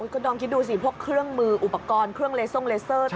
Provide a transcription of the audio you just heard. ก็ดอมคิดดูสิพวกเครื่องมืออุปกรณ์เครื่องเลทรงเลเซอร์